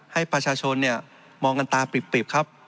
ให้ประชาชนมองกันตาปริบ